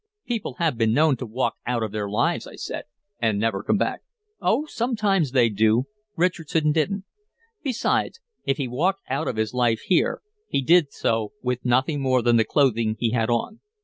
"People have been known to walk out of their lives," I said. "And never come back." "Oh, sometimes they do. Richardson didn't. Besides, if he walked out of his life here, he did so without more than the clothing he had on.